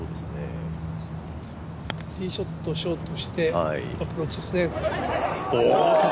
ティーショット、ショートしてアプローチですね。